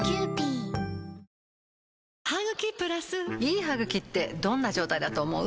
いい歯ぐきってどんな状態だと思う？